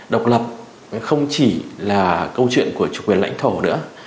độc lập không chỉ là câu chuyện của chủ quyền lãnh thổ nữa